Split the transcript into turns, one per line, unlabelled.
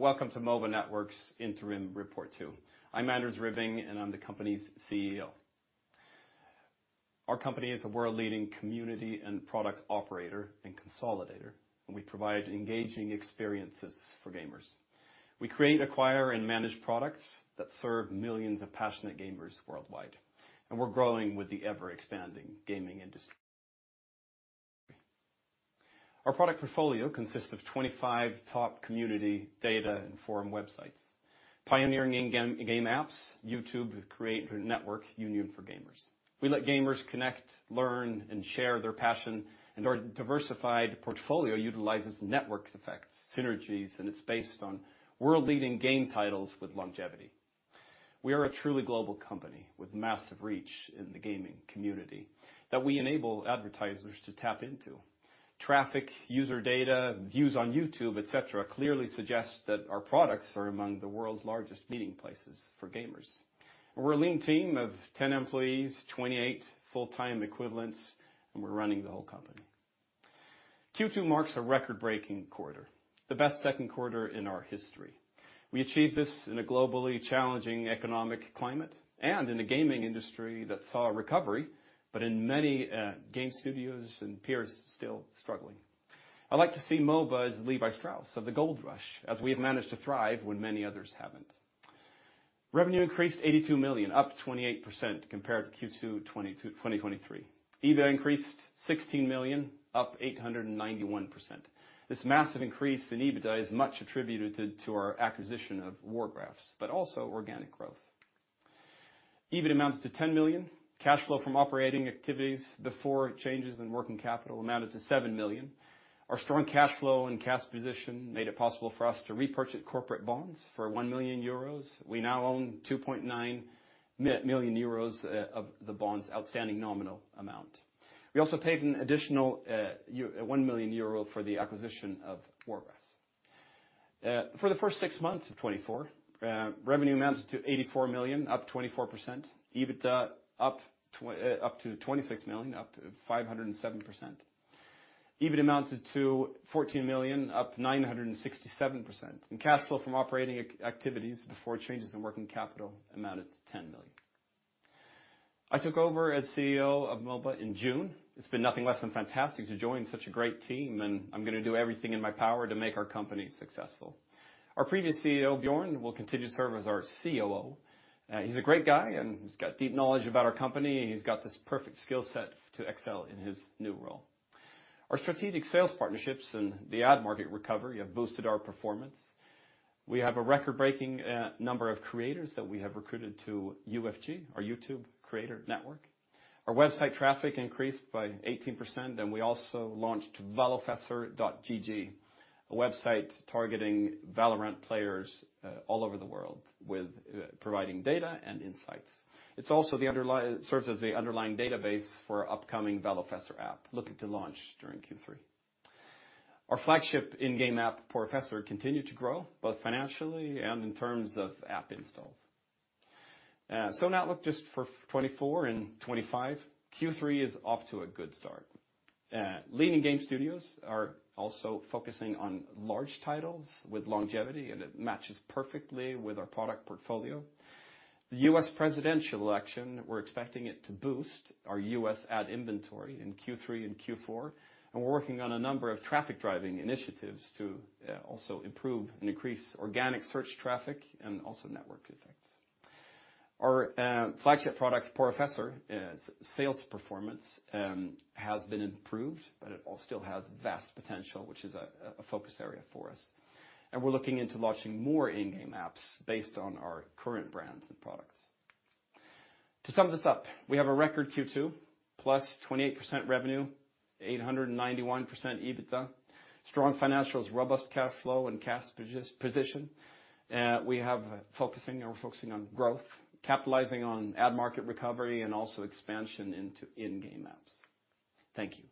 ...Welcome to M.O.B.A. Network's Interim Report two. I'm Anders Ribbing, and I'm the company's CEO. Our company is a world-leading community and product operator and consolidator, and we provide engaging experiences for gamers. We create, acquire, and manage products that serve millions of passionate gamers worldwide, and we're growing with the ever-expanding gaming industry. Our product portfolio consists of twenty-five top community data and forum websites, pioneering in-game apps, YouTube creator network, Union For Gamers. We let gamers connect, learn, and share their passion, and our diversified portfolio utilizes network effects, synergies, and it's based on world-leading game titles with longevity. We are a truly global company with massive reach in the gaming community that we enable advertisers to tap into. Traffic, user data, views on YouTube, et cetera, clearly suggests that our products are among the world's largest meeting places for gamers. We're a lean team of 10 employees, 28 full-time equivalents, and we're running the whole company. Q2 marks a record-breaking quarter, the best second quarter in our history. We achieved this in a globally challenging economic climate and in a gaming industry that saw a recovery, but in many game studios and peers still struggling. I like to see M.O.B.A. as Levi Strauss of the Gold Rush, as we have managed to thrive when many others haven't. Revenue increased 82 million, up 28% compared to Q2 2023. EBITDA increased 16 million, up 891%. This massive increase in EBITDA is much attributed to our acquisition of Wargraphs, but also organic growth. EBIT amounted to 10 million. Cash flow from operating activities before changes in working capital amounted to 7 million. Our strong cash flow and cash position made it possible for us to repurchase corporate bonds for 1 million euros. We now own 2.9 million euros of the bonds' outstanding nominal amount. We also paid an additional 1 million euro for the acquisition of Wargraphs. For the first six months of 2024, revenue amounts to 84 million, up 24%. EBITDA up to 26 million, up 507%. EBIT amounted to 14 million, up 967%, and cash flow from operating activities before changes in working capital amounted to 10 million. I took over as CEO of M.O.B.A. in June. It's been nothing less than fantastic to join such a great team, and I'm gonna do everything in my power to make our company successful. Our previous CEO, Björn, will continue to serve as our COO. He's a great guy, and he's got deep knowledge about our company, and he's got this perfect skill set to excel in his new role. Our strategic sales partnerships and the ad market recovery have boosted our performance. We have a record-breaking number of creators that we have recruited to UFG, our YouTube creator network. Our website traffic increased by 18%, and we also launched Valofessor.gg, a website targeting Valorant players all over the world with providing data and insights. It serves as the underlying database for our upcoming Valofessor app, looking to launch during Q3. Our flagship in-game app, Porofessor, continued to grow, both financially and in terms of app installs. So an outlook just for 2024 and 2025. Q3 is off to a good start. Leading game studios are also focusing on large titles with longevity, and it matches perfectly with our product portfolio. The US presidential election. We're expecting it to boost our US ad inventory in Q3 and Q4, and we're working on a number of traffic-driving initiatives to also improve and increase organic search traffic and also network effects. Our flagship product, Porofessor, its sales performance has been improved, but it all still has vast potential, which is a focus area for us, and we're looking into launching more in-game apps based on our current brands and products. To sum this up, we have a record Q2, plus 28% revenue, 891% EBITDA, strong financials, robust cash flow, and cash position. We're focusing on growth, capitalizing on ad market recovery, and also expansion into in-game apps. Thank you.